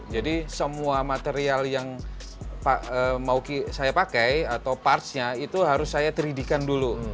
jadi semua material yang mau saya pakai atau partsnya itu harus saya tiga d kan dulu